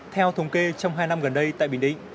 theo thống kê trong hai năm gần đây tại bình định